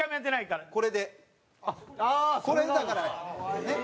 これでだからねっ。